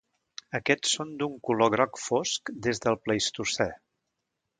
Aquests són d'un color groc fosc des del pleistocè.